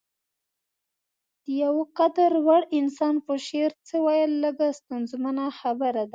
د يو قدر وړ انسان په شعر څه ويل لږه ستونزمنه خبره ده.